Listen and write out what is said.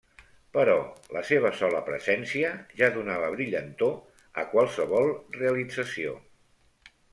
Però la seva sola presència ja donava brillantor a qualsevol realització.